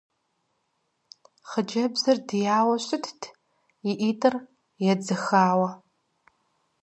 Хъыджэбзыр дияуэ щытт и ӏитӏыр едзыхауэ.